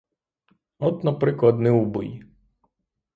От наприклад, не убий!